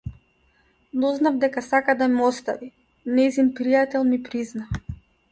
Дознав дека сака да ме остави, нејзин пријател ми призна.